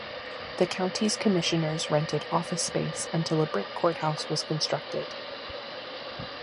The county's commissioners rented office space until a brick courthouse was constructed.